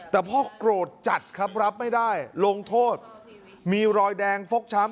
แต่พ่อโกรธจัดครับรับไม่ได้ลงโทษมีรอยแดงฟกช้ำ